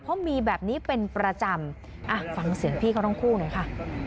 เพราะมีแบบนี้เป็นประจำอ่ะฟังเสียงพี่เขาทั้งคู่หน่อยค่ะ